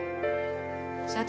社長